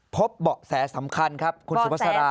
เบาะแสสำคัญครับคุณสุภาษา